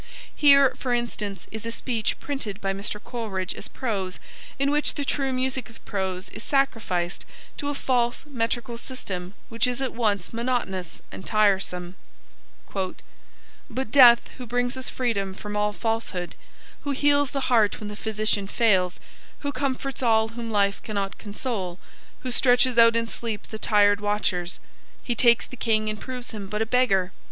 Here, for instance, is a speech printed by Mr. Coleridge as prose, in which the true music of prose is sacrificed to a false metrical system which is at once monotonous and tiresome: But Death, who brings us freedom from all falsehood, Who heals the heart when the physician fails, Who comforts all whom life cannot console, Who stretches out in sleep the tired watchers; He takes the King and proves him but a beggar!